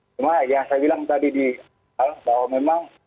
cuma yang saya bilang tadi di awal bahwa memang